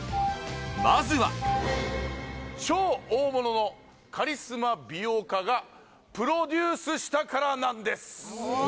まずは超大物のカリスマ美容家がプロデュースしたからなんです